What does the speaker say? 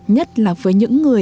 nhất là với những người